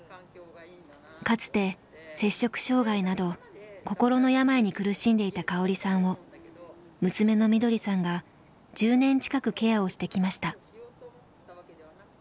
かつて摂食障害など心の病に苦しんでいた香織さんを娘のみどりさんが１０年近くケアをしてきました。